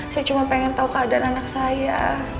saya cuma pengen tahu keadaan anak saya